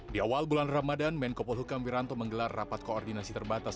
di awal bulan ramadhan menkopol hukum wiranto menggelar rapat koordinasi terbatas